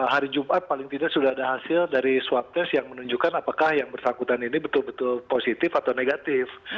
hari jumat paling tidak sudah ada hasil dari swab test yang menunjukkan apakah yang bersangkutan ini betul betul positif atau negatif